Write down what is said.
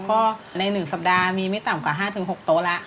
ก็ใน๑สัปดาห์มีไม่ต่ำกว่า๕๖โต๊ะแล้ว